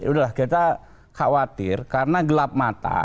udahlah kita khawatir karena gelap mata